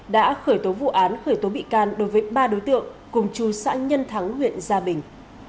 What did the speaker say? đã khởi tố vụ án khởi tố bị can đối với ba đối tượng cùng chú xã nhân thắng huyện gia bình